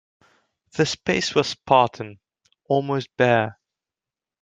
The space was spartan, almost bare.